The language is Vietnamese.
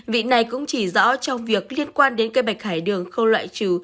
vị này cũng chỉ rõ trong việc liên quan đến cây bạch hải đường không loại trừ